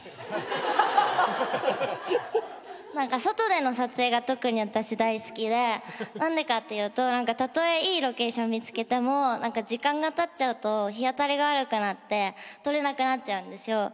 何か外での撮影が特にあたし大好きで何でかっていうとたとえいいロケーション見つけても時間がたっちゃうと日当たりが悪くなって撮れなくなっちゃうんですよ。